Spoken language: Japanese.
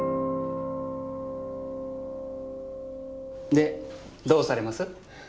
でどうされます？